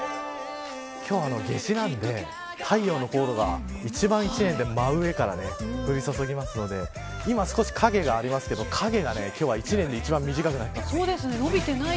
今日は夏至なので太陽の高度が一番１年で真上から降り注ぎますので今、少し影がありますが影は今日は１年で一番短くなります。